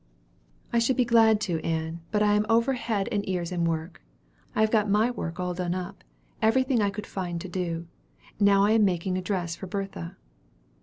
"I should be glad to, Ann; but I am over head and ears in work. I have got my work all done up, every thing that I could find to do. Now I am making a dress for Bertha."